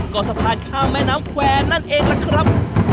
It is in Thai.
ก็สะพานข้ามแม่น้ำแควร์นั่นเองล่ะครับ